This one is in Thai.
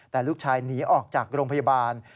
แต่ลูกชายหนีออกจากโรงพยาบาล